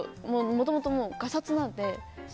もともとがさつなので。